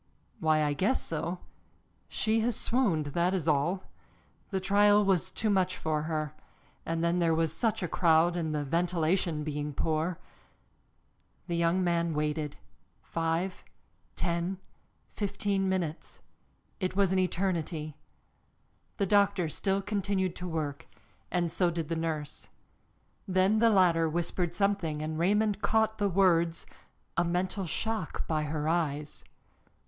"Why, I guess so. She has swooned, that is all. The trial was too much for her. And then there was such a crowd, and the ventilation being poor " The young man waited, five, ten, fifteen minutes it was as an eternity. The doctor still continued to work, and so did the nurse. Then the latter whispered something and Raymond caught the words, "a mental shock, by her eyes."